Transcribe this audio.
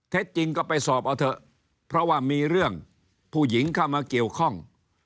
จริงก็ไปสอบเอาเถอะเพราะว่ามีเรื่องผู้หญิงเข้ามาเกี่ยวข้อง